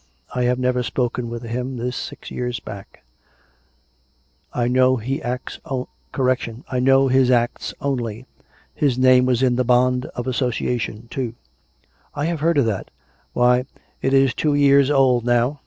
I have never spoken with him this six years back. I know his acts only. His name was in the ' Bond of Association,' too !"" I have heard of that." " Why, it is two years old now.